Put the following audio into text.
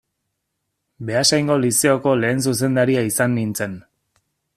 Beasaingo Lizeoko lehen zuzendaria izan nintzen.